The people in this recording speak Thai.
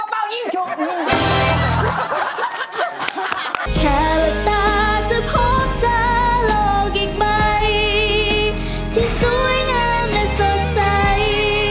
ลงจุลงจุลมาแล้วภาย